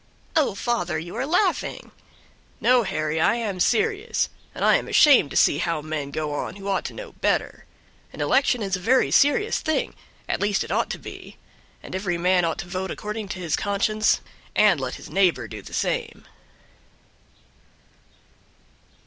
"Oh, father, you are laughing." "No, Harry, I am serious, and I am ashamed to see how men go on who ought to know better. An election is a very serious thing; at least it ought to be, and every man ought to vote according to his conscience, and let his neighbor do the same."